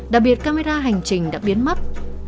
đặc biệt camera hành trình đã biến mất